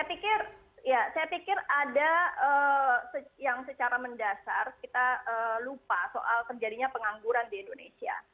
saya pikir ada yang secara mendasar kita lupa soal terjadinya pengangguran di indonesia